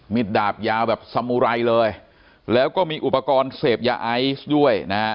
ดาบยาวแบบสมุไรเลยแล้วก็มีอุปกรณ์เสพยาไอซ์ด้วยนะฮะ